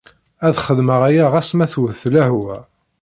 Ad xedmeɣ aya ɣas ma twet lehwa.